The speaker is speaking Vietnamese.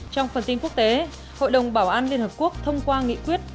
trong phần tin quốc tế hội đồng bảo an liên hợp quốc thông qua nghị quyết